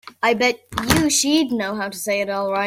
I bet you she'd know how to say it all right.